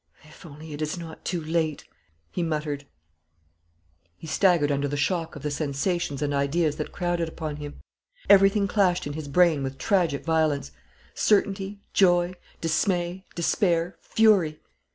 "If only it is not too late!" he muttered. He staggered under the shock of the sensations and ideas that crowded upon him. Everything clashed in his brain with tragic violence: certainty, joy, dismay, despair, fury.